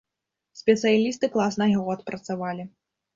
Спецыялісты класна яго адпрацавалі.